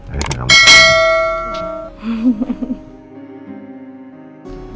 akhirnya kamu selamat